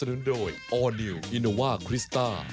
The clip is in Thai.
ปังปินาศ